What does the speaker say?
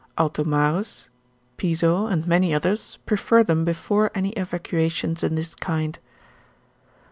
Altomarus, Piso, and many others, prefer them before any evacuations in this kind.